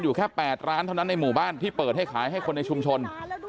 แค่๘ร้านเท่านั้นในหมู่บ้านที่เปิดให้ขายให้คนในชุมชน